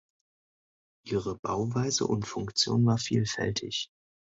Ihre Bauweise und Funktion war vielfältig.